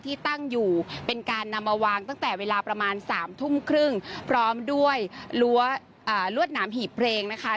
ที่ตั้งอยู่เป็นการนำมาวางตั้งแต่เวลาประมาณสามทุ่มครึ่งพร้อมด้วยลวดหนามหีบเพลงนะคะ